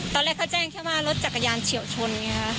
ตอนแรกเขาแจ้งแค่ว่ารถจักรยานเฉียวชนไงค่ะ